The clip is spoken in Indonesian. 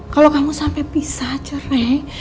kalau kamu sampai pisah cerai